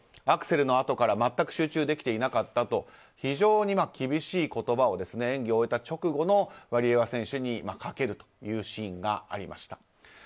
アクセルのあとから全く集中できていなかったと非常に厳しい言葉を演技を終えた直後のワリエワ選手にかけるというシーンがありました。